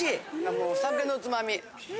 もうお酒のつまみ。